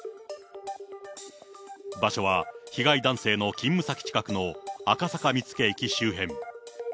場所は被害男性の勤務先近くの赤坂見附駅周辺。